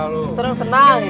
lo pada senang senang